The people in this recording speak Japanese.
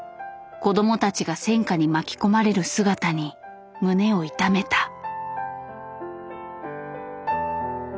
子どもたちが戦渦に巻き込まれる姿に胸を痛めた。